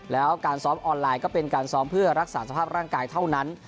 แล้วการซ้อมออนไลน์ก็เป็นการซ้อมเพื่อรักษาสภาพร่างกายเท่านั้น